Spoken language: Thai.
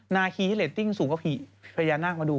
นาคีที่เรตติ้งสูงกว่าผีพญานาคมาดู